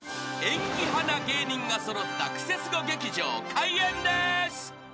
［演技派な芸人が揃ったクセスゴ劇場開演です］